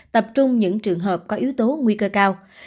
tập trung những trường hợp có yếu tố nguy cơ cao